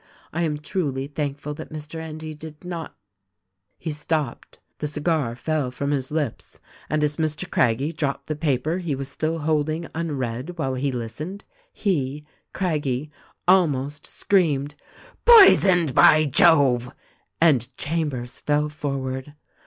I am truly thankful that Mr. Endy did not ' "He stopped ; the cigar fell from his lips ; and, as Mr. Craggie dropped the paper he was still holding unread while he listened, he, Craggie, almost screamed, 'Poisoned, by Jove!' and Chambers fell forward.